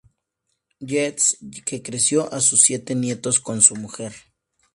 Yeats, que crió a sus siete nietos con su mujer.